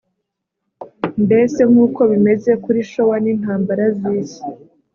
mbese nk’uko bimeze kuri Shoah n’intambara z’isi